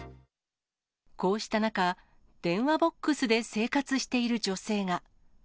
こうした中、電話ボックスで生活している女性が。